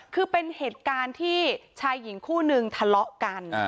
คือเป็นเหตุการณ์ที่ชายหญิงคู่นึงทะเลาะกัน